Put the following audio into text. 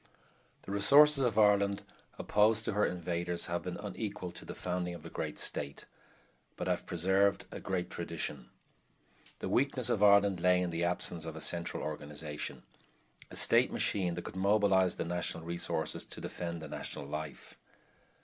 The resources Ireland opposed to her invaders have been unequal to the founding of a great state, but have preserved a great tradition. The weakness of Ireland lay in the absence of a central organization, a state machine that could mobilize the national resources to defend the national life.